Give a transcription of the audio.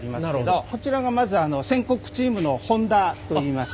こちらがまず船殻チームの本田といいます。